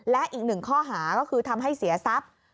และอีกหนึ่งข้อหาก็คือทำให้เสียทรัพย์